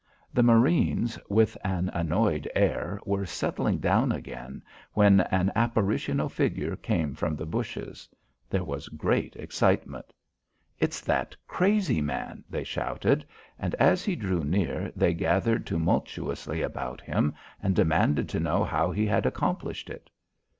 The marines, with an annoyed air, were settling down again when an apparitional figure came from the bushes. There was great excitement. "It's that crazy man," they shouted, and as he drew near they gathered tumultuously about him and demanded to know how he had accomplished it.